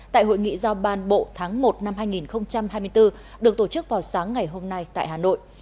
tại hội nghị giao ban bộ tháng một năm hai nghìn hai mươi bốn được tổ chức vào sáng ngày hôm nay tại hà nội